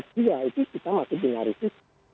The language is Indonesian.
dia itu kita masih dengar itu